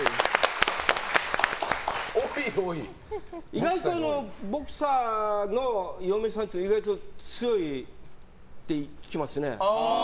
意外とボクサーの嫁さんっていうのは意外と強いって聞きますね。